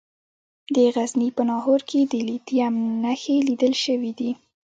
د غزني په ناهور کې د لیتیم نښې لیدل شوي دي.